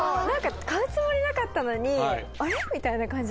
買うつもりなかったのに「あれ？」みたいな感じ。